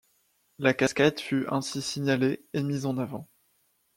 La cascade fut ainsi signalée et mise en avant.